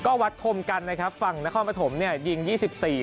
ก็วัดคมกันนะครับฟังนธมภื่์ประถมเนี่ยยิงยี่สิบสี่